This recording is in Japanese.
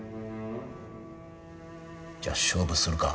じゃあ勝負するか。